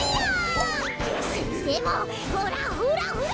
先生もほらほらほら！